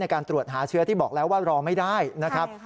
การตรวจหาเชื้อที่บอกแล้วว่ารอไม่ได้นะครับ